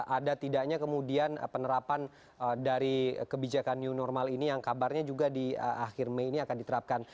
ada tidaknya kemudian penerapan dari kebijakan new normal ini yang kabarnya juga di akhir mei ini akan diterapkan